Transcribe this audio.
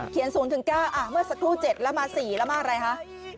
เขียนสูงถึง๙เมื่อสักครู่๗แล้วมา๔แล้วมาอะไรฮะ